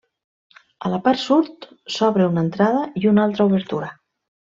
A la part sud s'obre una entrada i una altra obertura.